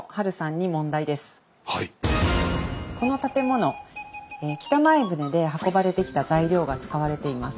この建物北前船で運ばれてきた材料が使われています。